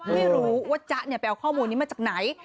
ไม่รู้ว่าจ๊ะไปเอาข้อมูลนี้มาจากไหน